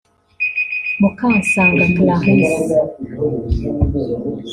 Mukansanga Clarisse